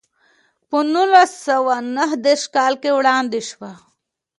په نولس سوه نهه دېرش کال کې وړاندې شوه.